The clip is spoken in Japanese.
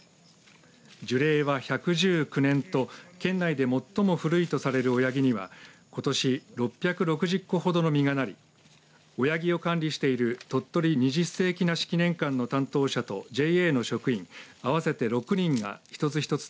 樹齢は１１９年と県内で最も古いとされる親木にはことし６６０個ほどの実がなり親木を管理している鳥取二十世紀梨記念館の担当者とＪＡの職員合わせて６人が一つ一つ